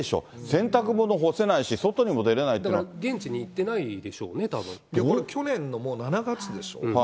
洗濯物干せないし、外にも出れなだから現地に行ってないでし去年のもう７月でしょ。